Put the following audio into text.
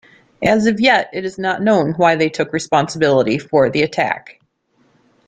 As of yet, it is not known why they took responsibility for the attack.